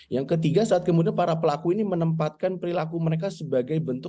yang ketiga saat kemudian para pelaku ini menempatkan perilaku mereka sebagai bentuk